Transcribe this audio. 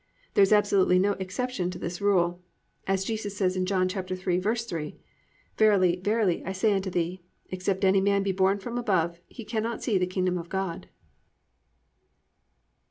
There is absolutely no exception to this rule. As Jesus says in John 3:3, +"Verily, verily, I say unto thee, except any man be born from above, he cannot see the kingdom of God."